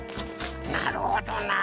なるほどな。